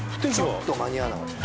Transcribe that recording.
ちょっと間に合わなかった